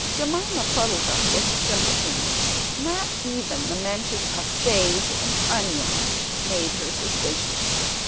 Jemima Puddle duck was a simpleton: not even the mention of sage and onions made her suspicious.